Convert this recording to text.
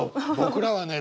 僕らはね